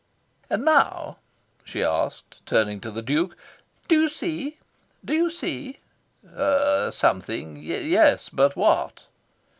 "And now," she asked, turning to the Duke, "do you see? do you see?" "Something, yes. But what?"